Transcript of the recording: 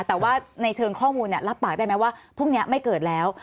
แต่ว่าในเชิงข้อมูลรับปากได้ไหมว่าพรุ่งนี้ไม่เกิดแล้ว